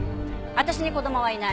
私に子供はいない。